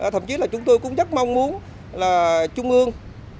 thậm chí là chúng tôi cũng rất mong muốn là trung ương